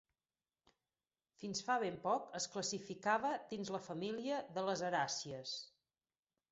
Fins fa ben poc es classificava dins la família de les aràcies.